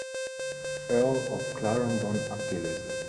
Earl of Clarendon abgelöst.